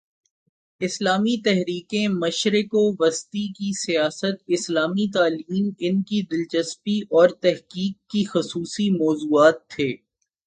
اسلامی تحریکیں، مشرق وسطی کی سیاست، اسلامی تعلیم، ان کی دلچسپی اور تحقیق کے خصوصی موضوعات تھے۔